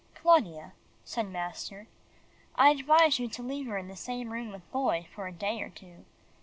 "Claudia," said master, "I advise you to leave her in the same room with Boy for a day or two.